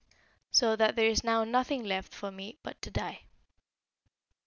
So that there is now nothing left for me but to die.'